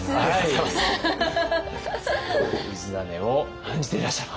氏真を演じていらっしゃる。